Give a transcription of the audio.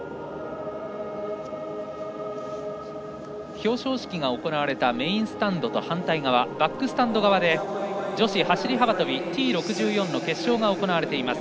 表彰式が行われたメインスタンドの反対側バックスタンド側で女子走り幅跳びＴ６４の決勝が行われています。